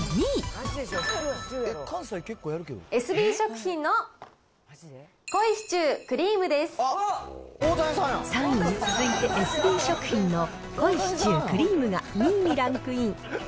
エスビー食品の３位に続いて、エスビー食品の濃いシチュークリームが２位にランクイン。